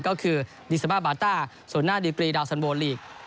ก็คือดิสาบาตาสนดีกรีดาวสันโวนลีก